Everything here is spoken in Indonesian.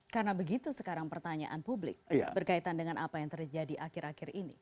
karena begitu sekarang pertanyaan publik berkaitan dengan apa yang terjadi akhir akhir ini